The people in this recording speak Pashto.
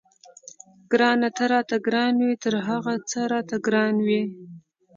ګرانه ته راته ګران وې تر هر څه راته ګران وې.